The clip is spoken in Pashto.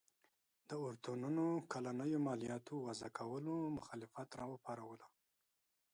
د اورتونونو کلنیو مالیاتو وضعه کولو مخالفت راوپاروله.